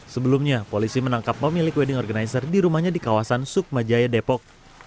sebelumnya polisi menangkap pemilik wedding organizer di rumahnya di kawasan sukma jaya depok